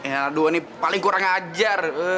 yang kedua ini paling kurang ajar